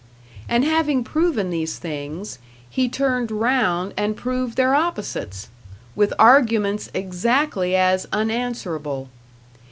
And having proven these things, he turned round and proved their opposites, with arguments exactly as unanswerable.